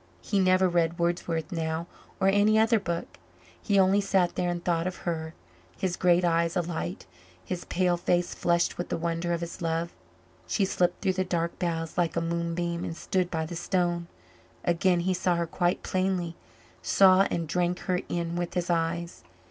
He never read Wordsworth now or any other book. He only sat there and thought of her, his great eyes alight, his pale face flushed with the wonder of his love. She slipped through the dark boughs like a moonbeam and stood by the stone. Again he saw her quite plainly saw and drank her in with his eyes.